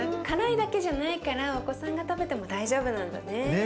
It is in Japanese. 辛いだけじゃないからお子さんが食べても大丈夫なんだね。